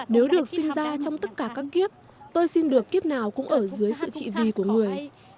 nếu được sinh ra trong tất cả các kiếp tôi xin được kiếp nào cũng ở dưới sự trị vi của người